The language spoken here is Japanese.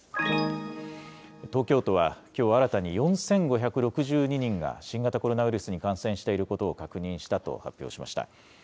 東京都はきょう新たに４５６２人が新型コロナウイルスに感染していることを確認したと発表しました。